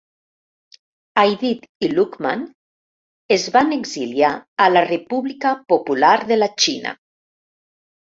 Aidit i Lukman es van exiliar a la República Popular de la Xina.